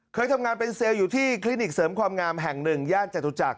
เคยทำงานเป็นเซลล์อยู่ที่คลินิกเสริมความงามแห่งหนึ่งย่านจตุจักร